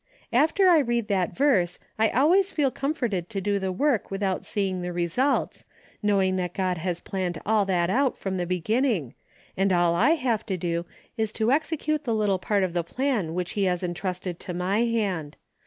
After I read that verse I always feel com forted to do the work without seeing the re sults, knowing that God has planned all that out from the beginning, and all I have to do A DAILY BATE.^' 249 is to execute the little part of the plan which he has entrusted to my hand.